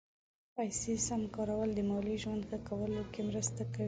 پیسې سم کارول د مالي ژوند ښه کولو کې مرسته کوي.